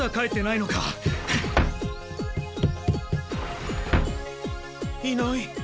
いない。